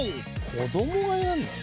「子どもがやるの？」